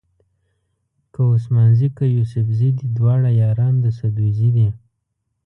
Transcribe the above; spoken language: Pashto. که عثمان زي که یوسفزي دي دواړه یاران د سدوزي دي.